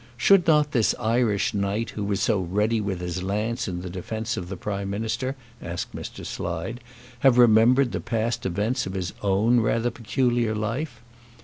Should not this Irish knight, who was so ready with his lance in the defence of the Prime Minister, asked Mr. Slide, have remembered the past events of his own rather peculiar life?